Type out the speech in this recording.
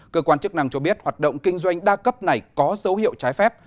cơ quan chức năng cho biết hoạt động kinh doanh đa cấp này có dấu hiệu trái phép